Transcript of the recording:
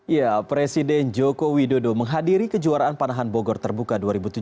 ya presiden joko widodo menghadiri kejuaraan panahan bogor terbuka dua ribu tujuh belas